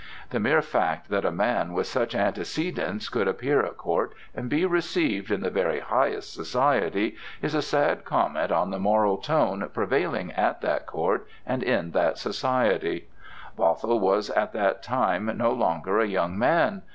The mere fact that a man with such antecedents could appear at court and be received in the very highest society is a sad comment on the moral tone prevailing at that court and in that society. Bothwell was at that time no longer a young man.